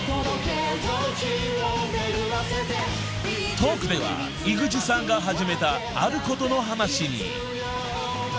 ［トークでは井口さんが始めたあることの話に］